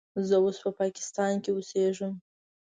زه اوس په پاکستان کې اوسیږم.